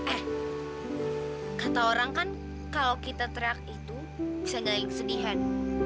eh kata orang kan kalau kita teriak itu bisa naik kesedihan